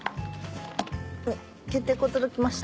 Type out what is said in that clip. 決定稿届きました。